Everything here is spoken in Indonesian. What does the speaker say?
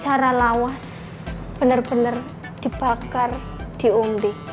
cara lawas bener bener dibakar di umri